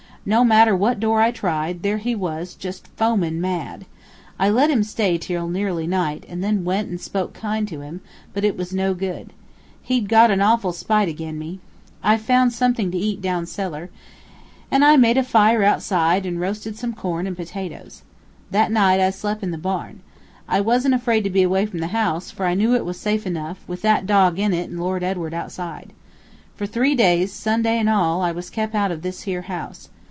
No matter what door I tried, there he was, just foamin' mad. I let him stay till nearly night, and then went and spoke kind to him; but it was no good. He'd got an awful spite ag'in me. I found something to eat down cellar, and I made a fire outside an' roasted some corn and potatoes. That night I slep' in the barn. I wasn't afraid to be away from the house, for I knew it was safe enough, with that dog in it and Lord Edward outside. For three days, Sunday an' all, I was kep' out of this here house.